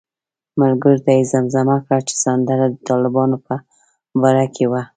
ملګرو ته یې زمزمه کړه چې سندره د طالبانو په باره کې وه.